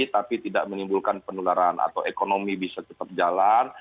tapi tidak menimbulkan penularan atau ekonomi bisa tetap jalan